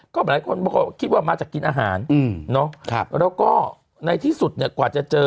ก็หลายคนคิดว่ามาจากกินอาหารแล้วก็ในที่สุดเนี่ยกว่าจะเจอ